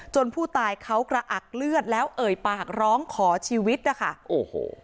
ผู้ตายเขากระอักเลือดแล้วเอ่ยปากร้องขอชีวิตนะคะโอ้โห